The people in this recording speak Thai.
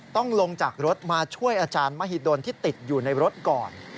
ต้องลงจากรถมาช่วยอาจารย์มหิดลที่ติดอยู่ในรถก่อน